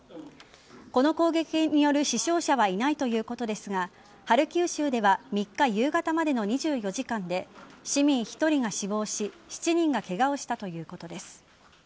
この攻撃による死傷者はいないということですがハルキウ州では３日夕方までの２４時間で市民１人が死亡し７人がケガをしたということです。